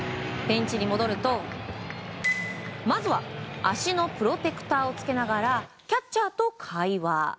ベンチに戻るとまずは、足のプロテクターを着けながらキャッチャーと会話。